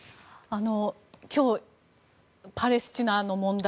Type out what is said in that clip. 今日、パレスチナの問題